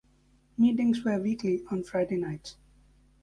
Meetings were weekly on Friday nights.